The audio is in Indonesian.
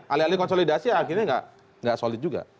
alih alih konsolidasi akhirnya nggak solid juga